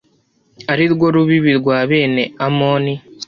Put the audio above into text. ari rwo rubibi rwa bene amoni